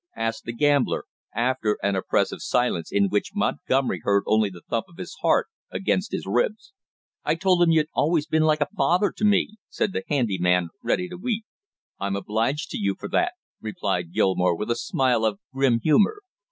asked the gambler, after an oppressive silence in which Montgomery heard only the thump of his heart against his ribs. "I told him you'd always been like a father to me " said the handy man, ready to weep. "I'm obliged to you for that!" replied Gilmore with a smile of grim humor.